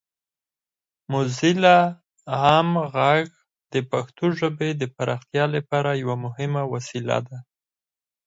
موزیلا عام غږ د پښتو ژبې د پراختیا لپاره یوه مهمه وسیله ده.